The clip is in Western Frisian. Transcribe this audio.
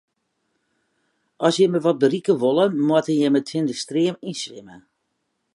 As jimme wat berikke wolle, moatte jimme tsjin de stream yn swimme.